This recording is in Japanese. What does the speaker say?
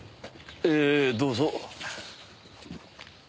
ええどうぞ。